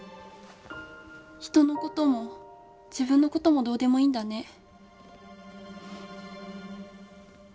人のことも自分のこともどうでもいいんだね。